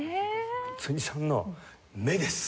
辻さんの「目です！」。